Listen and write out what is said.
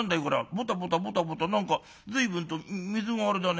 ポタポタポタポタ何か随分と水があれだね。